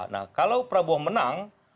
nah kalau prabowo menang